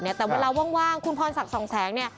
แต่เวลาว่างคุณพรศักดิ์สองแสงเนี่ย